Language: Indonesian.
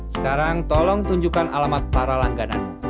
sekarang tolong tunjukkan alamat parah langgananmu